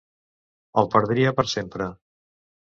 El perdria per sempre!